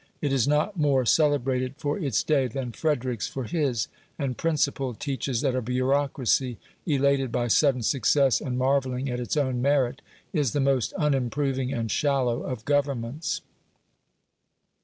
It is not more celebrated for its day than Frederic's for his, and principle teaches that a bureaucracy, elated by sudden success, and marvelling at its own merit, is the most unimproving and shallow of Governments.